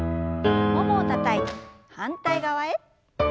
ももをたたいて反対側へ。